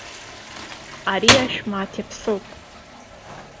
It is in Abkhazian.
Ари аашә мааҭ иаԥсоуп.